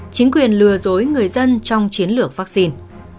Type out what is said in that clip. chính quyền lừa dối người dân trong chiến lược vaccine